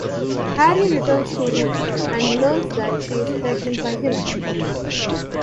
Harry returns to Ruth and learns that she is pregnant by him.